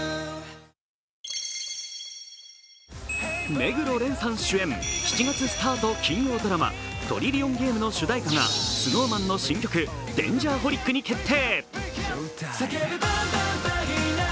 目黒蓮さん主演、７月スタート金曜ドラマ「トリリオンゲーム」の主題歌がＳｎｏｗＭａｎの新曲「Ｄａｎｇｅｒｈｏｌｉｃ」に決定。